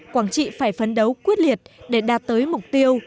quảng trị phải phấn đấu quyết liệt để đạt tới mục tiêu